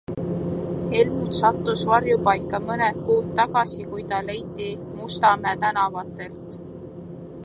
Helmut sattus varjupaika mõned kuud tagasi, kui ta leiti Mustamäe tänavatelt.